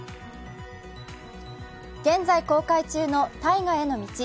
現在公開中の「大河への道」。